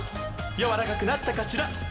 やわらかくなったかしら？